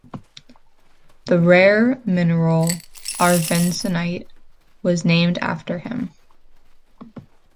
The rare mineral arfvedsonite was named after him.